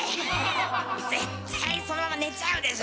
絶対そのまま寝ちゃうでしょ。